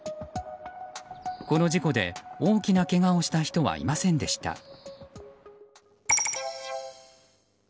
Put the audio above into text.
この事故で大きなけがをした人はいませんでした。